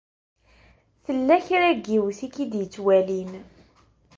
Tella kra n yiwet i k-id-ittwalin.